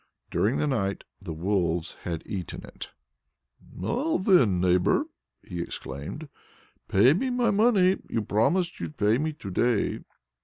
During the night the wolves had eaten it. "Now, then, neighbor!" he exclaimed, "pay me my money. You promised you'd pay me to day."